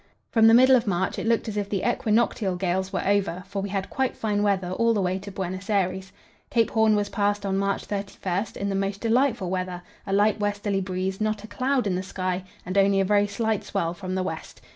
From the middle of March it looked as if the equinoctial gales were over, for we had quite fine weather all the way to Buenos Aires. Cape Horn was passed on March 31 in the most delightful weather a light westerly breeze, not a cloud in the sky, and only a very slight swell from the west.